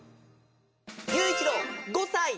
ゆういちろう５さい！